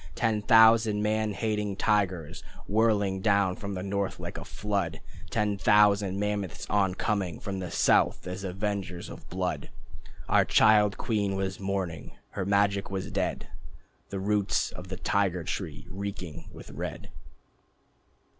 Ten thousand man hating tigers Whirling down from the north, like a flood! Ten thousand mammoths oncoming From the south as avengers of blood! Our child queen was mourning, her magic was dead, The roots of the Tiger Tree reeking with red.